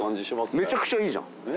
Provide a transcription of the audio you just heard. めちゃくちゃいいじゃん。